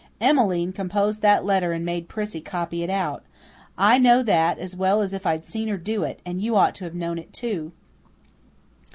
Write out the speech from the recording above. "Emmeline composed that letter and made Prissy copy it out. I know that as well as if I'd seen her do it, and you ought to have known it, too."